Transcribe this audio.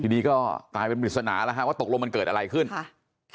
ทีนี้ก็กลายเป็นปริศนาแล้วฮะว่าตกลงมันเกิดอะไรขึ้นค่ะ